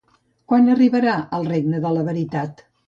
Quan arribarà, el regnat de la veritat?